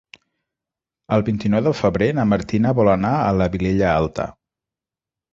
El vint-i-nou de febrer na Martina vol anar a la Vilella Alta.